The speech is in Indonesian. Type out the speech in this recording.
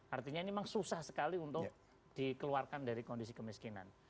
artinya ini memang susah sekali untuk dikeluarkan dari kondisi kemiskinan